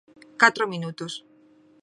Catro minutos.